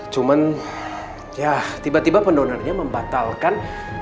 cuman ya tiba tiba pendonornya membatalkan